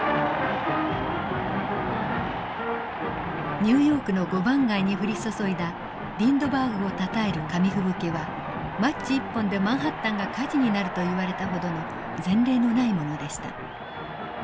ニューヨークの５番街に降り注いだリンドバーグをたたえる紙吹雪はマッチ１本でマンハッタンが火事になると言われたほどの前例のないものでした。